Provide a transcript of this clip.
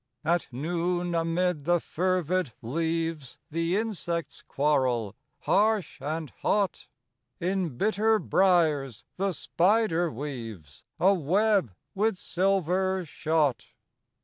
At noon amid the fervid leaves The insects quarrel, harsh and hot; In bitter briers the spider weaves A web with silver shot.